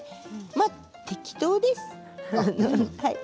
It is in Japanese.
まあ適当です。